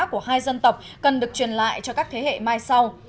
của hai dân tộc cần được truyền lại cho các thế hệ mai sau